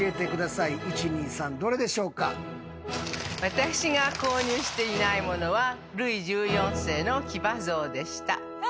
私が購入していないものはルイ１４世の騎馬像でした。